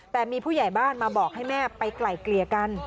แต่มีผู้ใหญ่บ้านมาบอกให้แม่ไปไกลเกลี่ยกัน